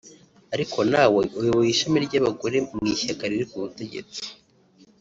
ari nawe uyoboye ishami ry’abagore mu ishyaka riri ku butegetsi